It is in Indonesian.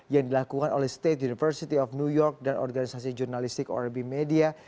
yang dilakukan oleh state university of new york dan organisasi jurnalistik orb media